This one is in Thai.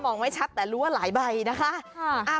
องไม่ชัดแต่รู้ว่าหลายใบนะคะ